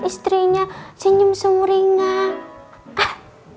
istrinya senyum senyum ringan hihihi